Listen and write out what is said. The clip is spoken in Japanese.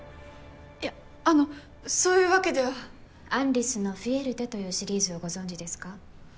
いやあのそういうわけではアン・リスのフィエルテというシリーズをご存じですか？